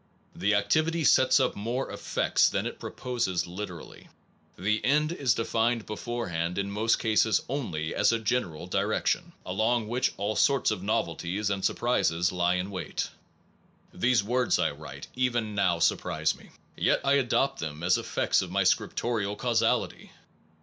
The activity sets up more effects than it proposes literally. The end is defined beforehand in most cases only as a And novel general direction, along which all sorts of novelties and surprises lie in wait. These words I write even now surprise me ; yet I adopt them as effects of my scripto rial causality.